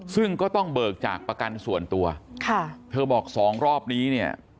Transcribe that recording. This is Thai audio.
ซึ่งก็ต้องเบิกจากประกันส่วนตัวค่ะเธอบอกสองรอบนี้เนี่ย